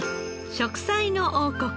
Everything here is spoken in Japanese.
『食彩の王国』